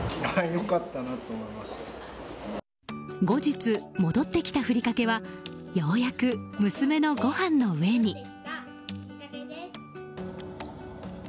後日、戻ってきたふりかけはようやく娘のご飯の上に。